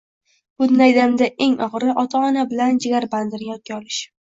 Bunday damda eng og`iri ota-ona bilan jigarbandini yodga olish